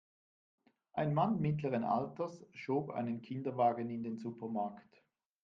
Ein Mann mittleren Alters schob einen Kinderwagen in den Supermarkt.